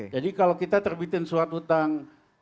jadi kalau kita terbitin surat utang